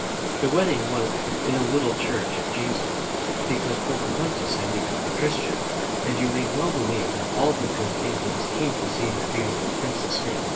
The wedding was in the little church at Jamestown, because Pocahontas had become a Christian, and you may well believe that all the good Indians came to see their beautiful prin cess married.